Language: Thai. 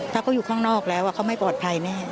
ถ้าเขาอยู่ข้างนอกแล้วเขาไม่ปลอดภัยแน่